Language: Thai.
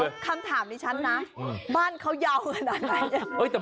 เดี๋ยวคำถามนี้ชัดนะบ้านเขายาวขนาดไหน